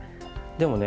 でもね